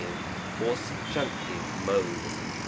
or Subjunctive Mode.